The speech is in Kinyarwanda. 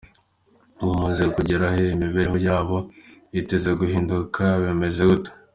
Ubu bamaze kugera he, imibereho yabo imaze guhinduka, bimeze gute ?